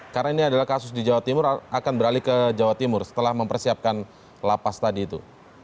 karena ini adalah kasus di jawa timur akan beralih ke jawa timur setelah mempersiapkan lapas tadi itu